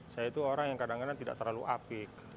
saya itu orang yang kadang kadang tidak terlalu apik